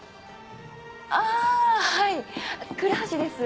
あぁはい倉橋です